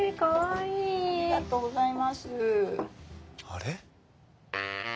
あれ？